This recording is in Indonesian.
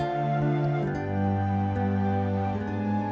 tidak tuan teddy